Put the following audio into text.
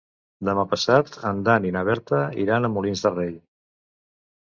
Demà passat en Dan i na Berta iran a Molins de Rei.